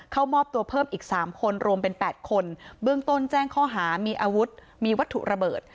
เข้ามอบตัวเพิ่มอีก๓คนรวมเป็น๘คนเบื้องต้นแจ้งข้อหามีอาวุธมีวัตถุระเบิด